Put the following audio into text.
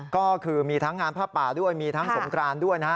ก็คือมีทั้งงานผ้าป่าด้วยมีทั้งสงกรานด้วยนะฮะ